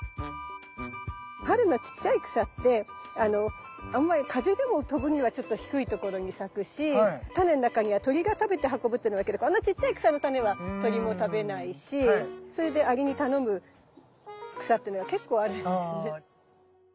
春のちっちゃい草ってあんまり風でも飛ぶにはちょっと低い所に咲くしタネの中には鳥が食べて運ぶっていうのもあるけどこんなちっちゃい草のタネは鳥も食べないしそれでアリに頼む草っていうのが結構あるんですね。